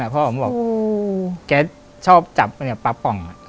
แกชอบจับปลาป่อง